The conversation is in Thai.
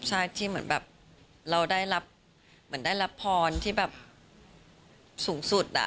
ใช่ที่เหมือนแบบเราได้รับพรที่สูงสุด